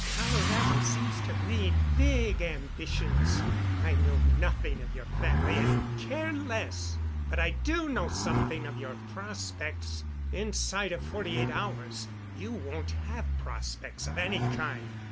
Colorado seems to breed big ambitions. I know nothing of your family and care less. But I do know something of your prospects. Inside of forty eight hours you won't have prospects of any kind.